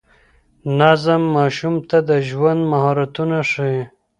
نظم ماشوم ته د ژوند مهارتونه ښيي.